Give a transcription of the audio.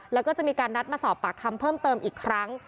แล้วก็จะมีการนัดมาสอบปากคำเพิ่มเติมอีกครั้ง